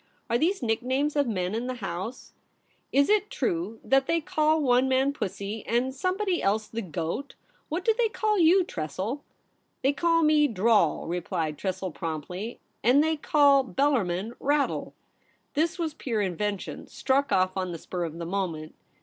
' Are these nicknames of men in the House ? Is it true that they call one man "Pussy," and somebody else "the Goat"? What do they call you, Tressel ?'' They call me " Drawl," ' replied Tressel promptly, ' and they call Bellarmin "Rattle."' This was pure invention, struck off on the spur of the moment.